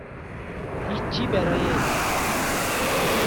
هیچی برای اعلام کردن